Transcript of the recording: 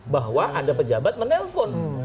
bahwa ada pejabat menelpon